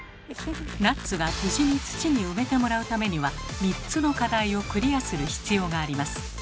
ナッツが無事に土に埋めてもらうためには３つの課題をクリアする必要があります。